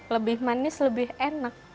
lebih manis lebih enak